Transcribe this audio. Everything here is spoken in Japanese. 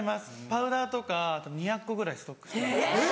パウダーとか２００個ぐらいストックしてます。